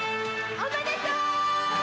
おめでとう！